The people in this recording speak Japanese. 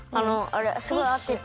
すごいあってて。